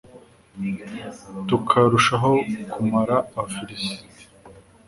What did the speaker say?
tukarushaho kumara abafilisiti